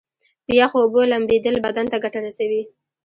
په یخو اوبو لمبیدل بدن ته ګټه رسوي.